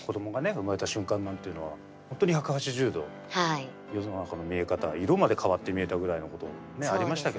産まれた瞬間なんていうのはほんとに１８０度世の中の見え方色まで変わって見えたぐらいのことありましたけどね。